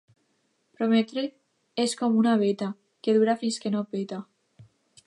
Prometre és com una veta, que dura fins que no peta.